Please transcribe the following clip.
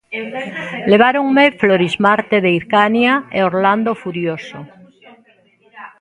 Leváronme Florismarte de Hircania e Orlando Furioso...